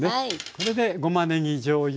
これでごまねぎじょうゆ